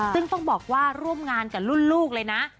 ซึ่งต้องบอกว่าร่วมงานกับรุ่นลูกเลยนะ